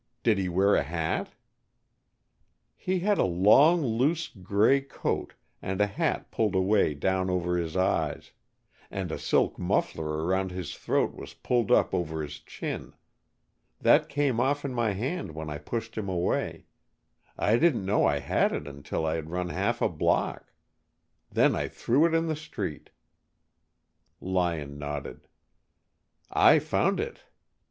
Did he wear a hat?" "He had a long loose grey coat, and a hat pulled away down over his eyes. And a silk muffler around his throat was pulled up over his chin. That came off in my hand when I pushed him away. I didn't know I had it until I had run half a block. Then I threw it in the street." Lyon nodded. "I found it.